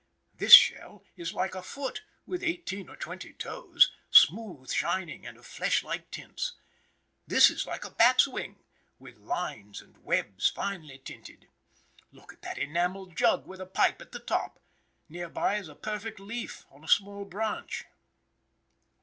This shell is like a foot with eighteen or twenty toes, smooth, shining, and of flesh like tints. This is like a bat's wing, with lines and webs finely tinted. Look at that enamelled jug with a pipe at the top. Near by is a perfect leaf on a small branch.